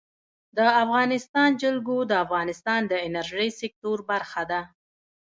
د افغانستان جلکو د افغانستان د انرژۍ سکتور برخه ده.